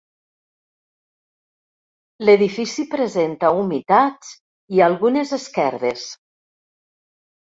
L'edifici presenta humitats i algunes esquerdes.